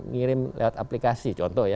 ngirim lewat aplikasi contoh ya